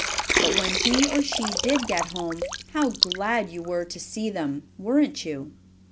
But, when he or she did get home how glad you were to see them! Weren't you?